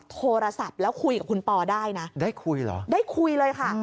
โทรศัพท์แล้วคุยกับคุณปอได้นะได้คุยเหรอได้คุยเลยค่ะ